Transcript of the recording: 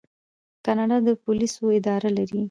کاناډا د پولیسو اداره لري.